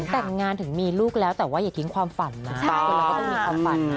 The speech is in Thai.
แต่งงานถึงมีลูกแล้วแต่ว่าอย่าทิ้งความฝันนะ